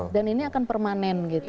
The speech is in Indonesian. dan ini akan permanen gitu